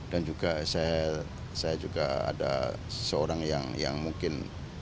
dan juga saya ada seorang yang mungkin